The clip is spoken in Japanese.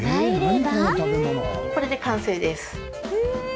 はい、これで完成です。